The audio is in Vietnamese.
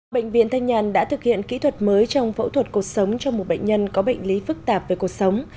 bệnh viện thanh nhàn đã thực hiện kỹ thuật mới trong phẫu thuật cuộc sống cho một bệnh nhân có bệnh lý phức tạp về cuộc sống